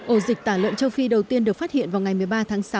ổ dịch tả lợn châu phi đầu tiên được phát hiện vào ngày một mươi ba tháng sáu